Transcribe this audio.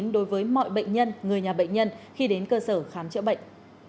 đối với mọi bệnh nhân người nhà bệnh nhân khi đến cơ sở khám chữa bệnh